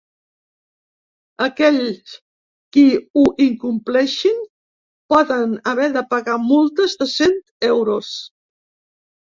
Aquells qui ho incompleixin poden haver de pagar multes de cent euros.